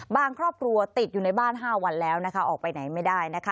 ครอบครัวติดอยู่ในบ้าน๕วันแล้วนะคะออกไปไหนไม่ได้นะคะ